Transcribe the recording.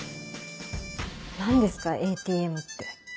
何ですかＡＴＭって。